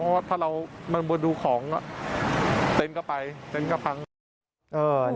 เพราะว่าถ้าเรามันมาดูของเต็นต์ก็ไปเต็นต์ก็พัง